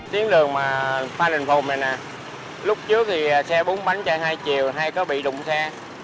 tiếng đường mà pha đền phùng này nè lúc trước thì xe bún bánh chạy hai chiều hay có bị đụng xe